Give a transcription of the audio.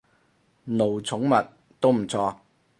奴寵物，都唔錯